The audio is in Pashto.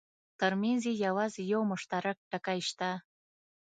ترمنځ یې یوازې یو مشترک ټکی شته.